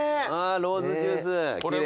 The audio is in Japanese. ローズジュース奇麗。